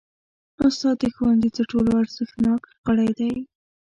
استاد د ښوونځي تر ټولو ارزښتناک غړی دی.